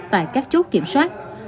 tại các chốt kiểm soát